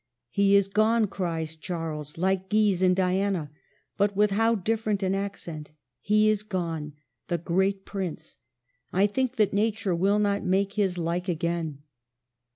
" He is gone !" cries Charles, like Guise and Diana; but with how different an accent. ^* He is gone, the great prince ! I think that Nature will not make his like again."